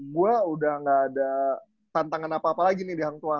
gue udah gak ada tantangan apa apa lagi nih di hangtua